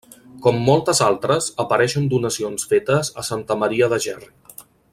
Com moltes altres, apareix en donacions fetes a Santa Maria de Gerri.